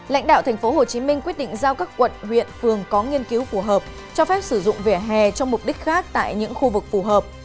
lãnh đạo tp hcm quyết định giao các quận huyện phường có nghiên cứu phù hợp cho phép sử dụng vỉa hè cho mục đích khác tại những khu vực phù hợp